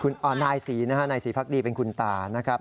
นายศรีพักดีเป็นคุณตานะครับ